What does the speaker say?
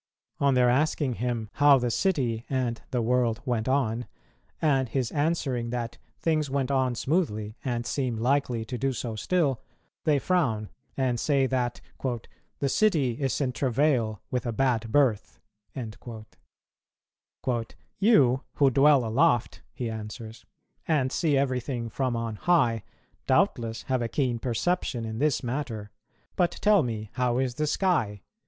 On their asking him how the city and the world went on, and his answering that things went on smoothly and seemed likely to do so still, they frown, and say that "the city is in travail with a bad birth." "You, who dwell aloft," he answers, "and see everything from on high, doubtless have a keen perception in this matter; but tell me, how is the sky?